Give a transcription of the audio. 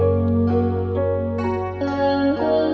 ไปยักษ์นานอย่างเดียวไปยักษ์นานอย่างเดียว